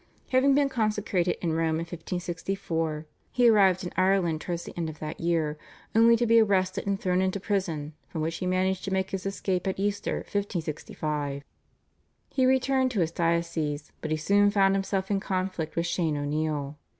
Having been consecrated in Rome in 1564 he arrived in Ireland towards the end of that year only to be arrested and thrown into prison, from which he managed to make his escape at Easter (1565). He returned to his diocese, but he soon found himself in conflict with Shane O'Neill.